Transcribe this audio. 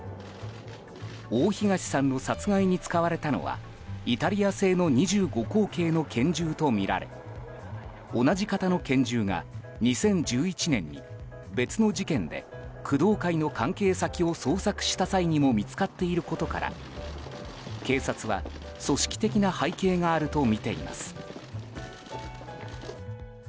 大東さんの殺害に使われたのはイタリア製の２５口径の拳銃とみられ同じ型の拳銃が２０１１年に別の事件で工藤会の関係先を捜索した際にも見つかっていることから、警察は組織的な背景があるとみています。